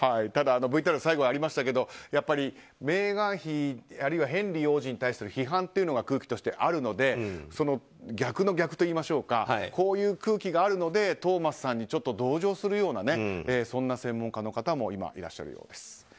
ただ、ＶＴＲの最後にありましたがメーガン妃あるいはヘンリー王子に対する批判っていうのが空気としてあるので逆の逆といいましょうかこういう空気があるのでトーマスさんに同情するようなそんな専門家の方も今、いらっしゃるようです。